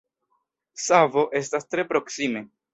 Savo estas tre proksime.